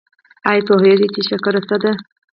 ایا پوهیږئ چې شکر څه دی؟